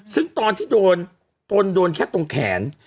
ซึ่งตอนที่โดนตนโดนแค่ตรงแขน